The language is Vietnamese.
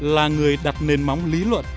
là người đặt nền móng lý luận